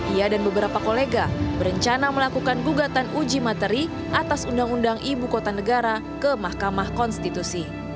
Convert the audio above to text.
ia dan beberapa kolega berencana melakukan gugatan uji materi atas undang undang ibu kota negara ke mahkamah konstitusi